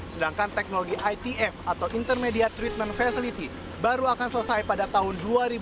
sedangkan teknologi itf atau intermediate treatment facility baru akan selesai pada tahun dua ribu dua puluh